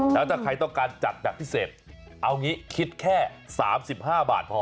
แล้วถ้าใครต้องการจัดแบบพิเศษเอางี้คิดแค่๓๕บาทพอ